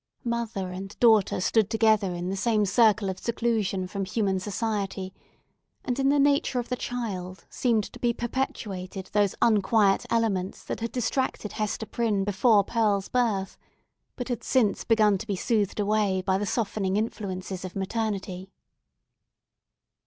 Mother and daughter stood together in the same circle of seclusion from human society; and in the nature of the child seemed to be perpetuated those unquiet elements that had distracted Hester Prynne before Pearl's birth, but had since begun to be soothed away by the softening influences of maternity.